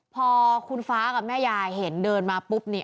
พอคุณฟ้ากับแม่ยายเห็นเดินมาปุ๊บนี่